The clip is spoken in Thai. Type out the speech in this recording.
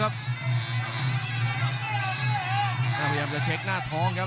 และอัพพิวัตรสอสมนึก